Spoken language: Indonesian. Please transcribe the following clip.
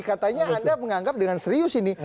katanya anda menganggap dengan serius ini